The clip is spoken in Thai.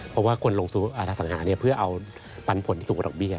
เพราะว่าควรลงสู่อสังหาฯเพื่อเอาปันผลที่สูงกว่าดอกเบี้ย